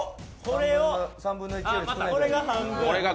これが半分。